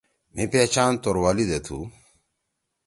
مھی پہچان توروالی دے تُھو۔